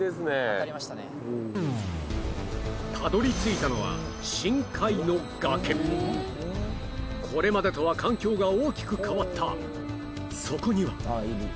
当たりましたねたどり着いたのはこれまでとは環境が大きく変わったそこには！